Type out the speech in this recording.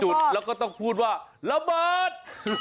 แล้วก็ต้องพูดว่าระเบิด